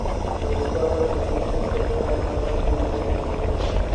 جو مصباح پر تنقید کرتے ہوئے ہر مرتبہ یہ بھول جاتے ہیں